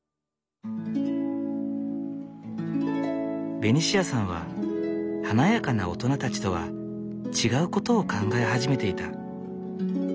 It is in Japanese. ベニシアさんは華やかな大人たちとは違うことを考え始めていた。